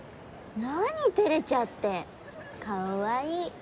何照れちゃってかわいい。